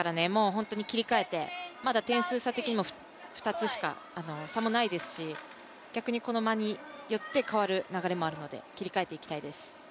本当に切り替えてまだ点数差的にも２つしか差もないですし、逆にこの間によって変わる流れもあるので切り替えていきたいです。